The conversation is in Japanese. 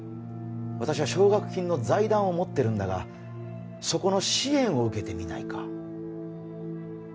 私は奨学金の財団を持ってるんだがそこの支援を受けてみないか？